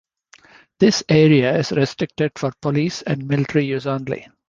This area is restricted for police and military use only.